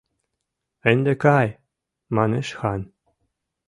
— Ынде кай! — манеш хан.